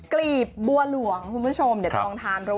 ข้างบัวแห่งสันยินดีต้อนรับทุกท่านนะครับ